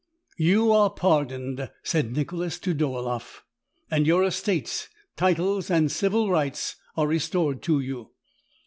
"You are pardoned," said Nicholas to Dolaeff; "and your estates, titles, and civil rights are restored to you.